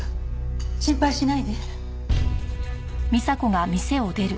心配しないで。